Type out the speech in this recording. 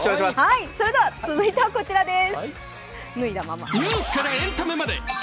それでは続いてはこちらです。